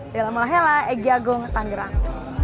yalah malah helah egi agung tanggerang